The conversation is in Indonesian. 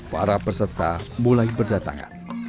para peserta mulai berdatangan